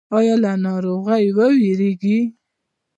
ایا له ناروغۍ ویریږئ؟